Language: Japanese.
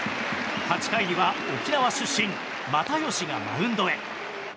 ８回には沖縄出身又吉がマウンドへ。